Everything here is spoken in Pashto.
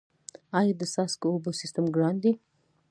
آیا د څاڅکي اوبو سیستم ګران دی؟